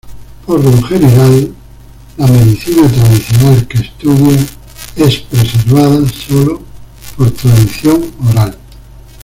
Por lo general, la medicina tradicional que estudia es preservada sólo por tradición oral.